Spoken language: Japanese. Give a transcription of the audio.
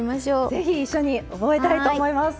是非一緒に覚えたいと思います。